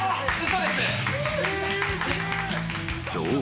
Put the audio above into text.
［そう。